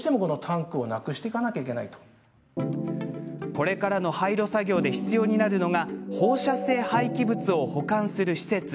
これからの廃炉作業で必要になるのが放射性廃棄物を保管する施設。